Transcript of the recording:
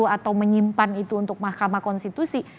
atau menyimpan itu untuk mahkamah konstitusi